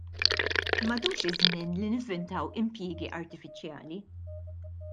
M'għadux iż-żmien li nivvintaw impjiegi artifiċjali.